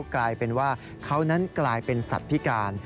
กลายเป็นว่าเขานั้นกลายเป็นสัตว์พิการ